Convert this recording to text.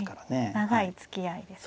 長いつきあいですね。